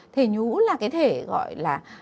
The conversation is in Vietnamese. thể nhú là cái thể gọi là